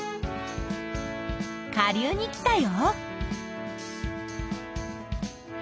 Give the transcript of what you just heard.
下流に来たよ。